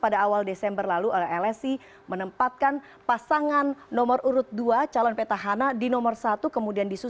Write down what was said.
dan di dua puluh tahun